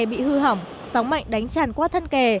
bị hư hỏng sóng mạnh đánh tràn qua thân kè